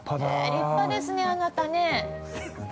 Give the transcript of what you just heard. ◆立派ですね、あなたね。